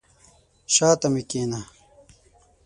شاته مي کښېنه !